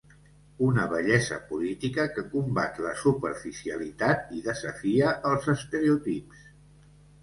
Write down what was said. Una bellesa política que combat la superficialitat i desafia els estereotips.